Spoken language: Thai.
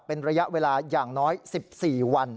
เป็นระยะเวลาอย่างน้อย๑๔วัน